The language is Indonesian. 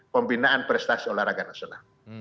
pembinaan prestasi olahraga nasional